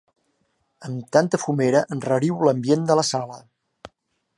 Amb tanta fumera enrariu l'ambient de la sala.